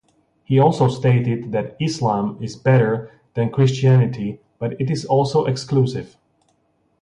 He also stated that Islam is better than Christianity but it is also exclusive.